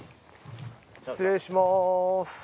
失礼します。